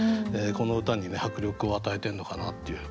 この歌に迫力を与えてるのかなっていう。